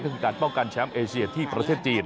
ก็คือการป้องกันแชมป์เอเชียที่ประเทศจีน